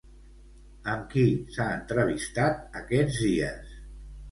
Amb qui s'ha entrevistat aquests dies?